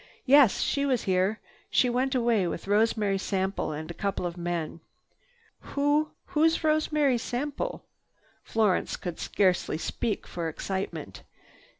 "Yes, she was here. She went away with Rosemary Sample and a couple of men." "Who—who's Rosemary Sample?" Florence could scarcely speak for excitement.